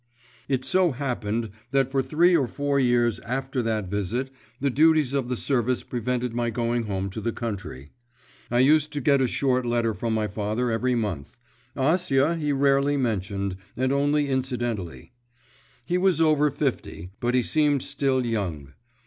It so happened that for three or four years after that visit the duties of the service prevented my going home to the country. I used to get a short letter from my father every month; Acia he rarely mentioned, and only incidentally. He was over fifty, but he seemed still young.